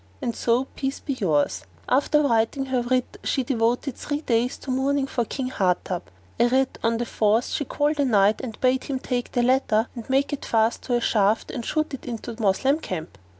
And so peace be yours!" After writing her writ she devoted three days to mourning for King Hardub; arid, on the fourth, she called a Knight and bade him take the letter and make it fast to a shaft and shoot it into the Moslem camp.